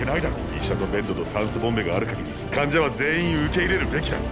医者とベッドと酸素ボンベがある限り患者は全員受け入れるべきだ。